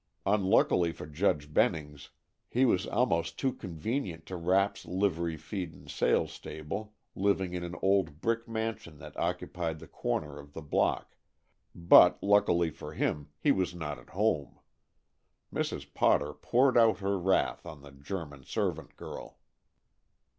Unluckily for Judge Bennings, he was almost too convenient to Rapp's Livery, Feed and Sale Stable, living in an old brick mansion that occupied the corner of the block but, luckily for him, he was not at home. Mrs. Potter poured out her wrath on the German servant girl.